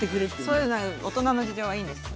そういう大人の事情はいいんです。